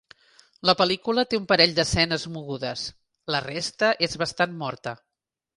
La pel·lícula té un parell d'escenes mogudes; la resta és bastant morta.